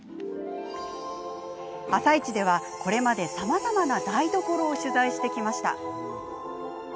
「あさイチ」ではこれまで、さまざまな台所を取材してきました。